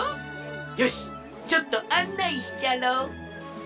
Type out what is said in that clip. よしちょっとあんないしちゃろう。